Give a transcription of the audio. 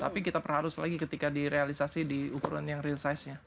tapi kita perharus lagi ketika direalisasi di ukuran yang real size nya